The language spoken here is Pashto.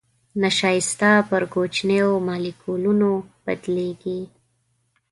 نشایسته پر کوچنيو مالیکولونو بدلوي.